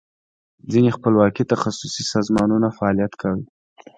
ځینې خپلواکي تخصصي سازمانونو فعالیت کاو.